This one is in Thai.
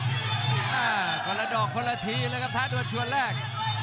อ้าวก่อนละดอกก่อนละทีเลยครับท้าตัวชวนแรก